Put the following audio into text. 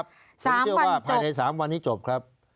ผมเชื่อว่าภายใน๓วันนี้จบครับ